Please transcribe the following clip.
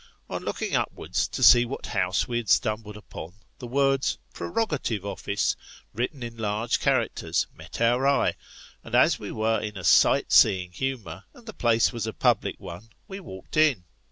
On looking upwards to see what house we had stumbled upon, the words " Prerogative Office," written in large characters, met our eye ; and as we were in a sight seeing humour and the place was a public one, we walked in.